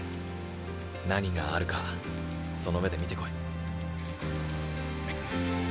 何があるかその目で見てこい。